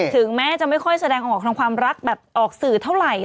ถึงแม้จะไม่ค่อยแสดงออกทางความรักแบบออกสื่อเท่าไหร่